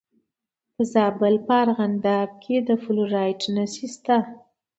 د زابل په ارغنداب کې د فلورایټ نښې شته.